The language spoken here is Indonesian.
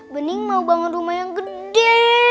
bening mau bangun rumah yang gede